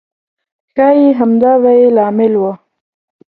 ښایي همدا به یې لامل و.